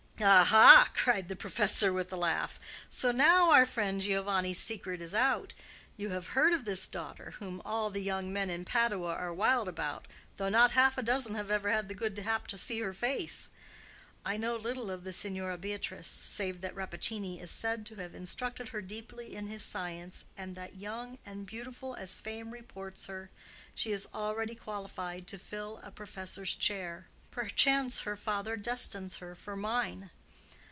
"Aha!" cried the professor, with a laugh. "So now our friend Giovanni's secret is out. You have heard of this daughter, whom all the young men in Padua are wild about, though not half a dozen have ever had the good hap to see her face. I know little of the Signora Beatrice save that Rappaccini is said to have instructed her deeply in his science, and that, young and beautiful as fame reports her, she is already qualified to fill a professor's chair. Perchance her father destines her for mine!